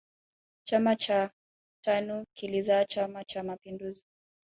chama cha tanu kilizaa chama cha mapinduzi